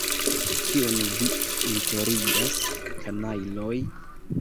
Kiun vi enterigas, kanajloj?